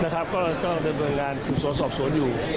ก็เริ่มรายงานสวนอยู่